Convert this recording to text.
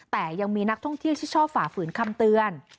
แต่ยังมีนักท่องเที่ยวที่ชอบฝ่าฝืนคำเตือน